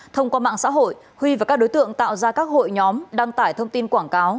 thông qua mạng xã hội huy và các đối tượng tạo ra các hội nhóm đăng tải thông tin quảng cáo